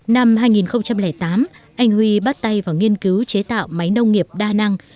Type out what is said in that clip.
năm hai nghìn tám anh huy bắt tay vào nghiên cứu chế tạo máy nông nghiệp đa năng